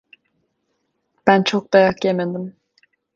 Ben çok dayak yemedim.